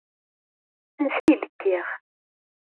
Ansa i d-kkiɣ?